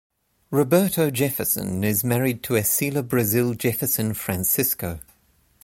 Roberto Jefferson is married to Ecila Brazil Jefferson Francisco.